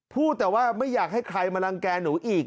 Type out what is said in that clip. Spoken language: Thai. พูดแต่ว่าไม่อยากให้ใครมารังแก่หนูอีก